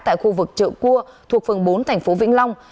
tại khu vực chợ cua thuộc phường bốn thành phố vĩnh long